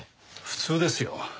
普通ですよ。